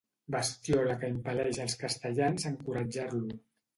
Bestiola que impel·leix els castellans a encoratjar-lo.